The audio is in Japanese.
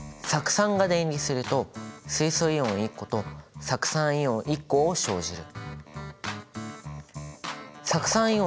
硫酸は電離すると水素イオン２個と硫酸イオン１個を生じる。